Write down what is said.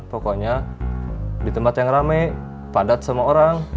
pokoknya di tempat yang rame padat semua orang